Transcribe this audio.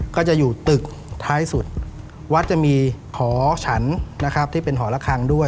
ก็จะอยู่ตึกท้ายสุดวัดจะมีหอฉันนะครับที่เป็นหอระคังด้วย